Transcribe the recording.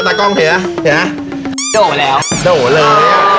โด่มาโด่เลย